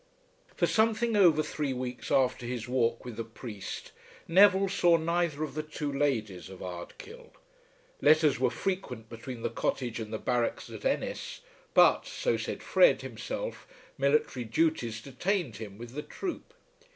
For something over three weeks after his walk with the priest Neville saw neither of the two ladies of Ardkill. Letters were frequent between the cottage and the barracks at Ennis, but, so said Fred himself, military duties detained him with the troop.